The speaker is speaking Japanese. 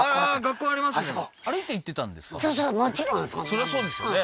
そりゃそうですよね